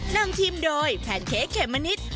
นำทีมโดยแพนเค้กเขมมะนิด